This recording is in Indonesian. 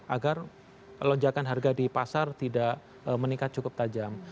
agar lonjakan harga di pasar tidak meningkat cukup tajam